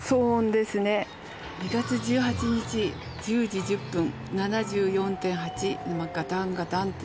２月１８日１０時１０分７４．８。